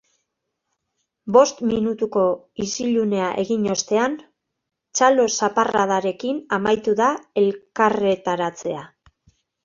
Bost minutuko isilunea egin ostean, txalo zaparradarekin amaitu da elkarretaratzea.